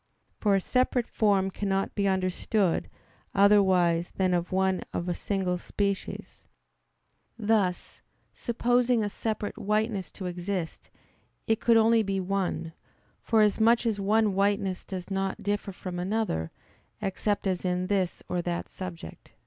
For a separate form cannot be understood otherwise than as one of a single species; thus, supposing a separate whiteness to exist, it could only be one; forasmuch as one whiteness does not differ from another except as in this or that subject.